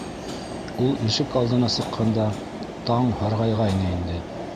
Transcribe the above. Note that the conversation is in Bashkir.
Ул ишек алдына сыҡҡанда, таң һарғайғайны инде.